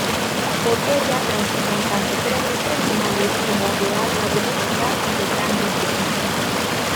Por ella transitan tanto trenes regionales, como de alta velocidad y de grandes líneas.